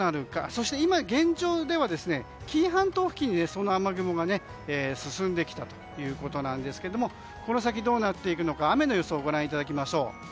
そして今現状では紀伊半島付近にその雨雲が進んできたということなんですけどもこの先どうなっていくのか雨の予想をご覧いただきましょう。